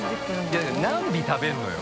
いや何尾食べるのよ。